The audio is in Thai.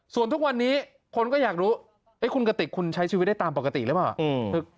ส่วนทุกวันนี้คนก็อยากรู้คุณกติกคุณใช้ชีวิตได้ตามปกติหรือเปล่า